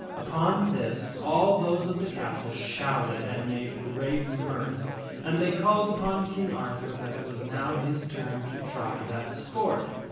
Upon this all those of the castle shouted and made great mirth, and they called upon King Arthur that it was now his turn to try that sport.